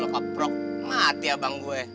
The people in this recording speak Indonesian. lu kepruk mati abang gue